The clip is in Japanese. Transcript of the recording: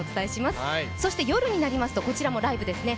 そして、夜になりますとこちらもライブですね。